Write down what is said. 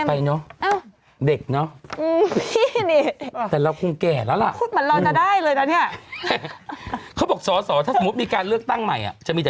ไม่ต้องสู้แล้วล่ะ